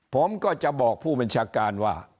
ผมก็จะบอกผู้บัญชาการว่า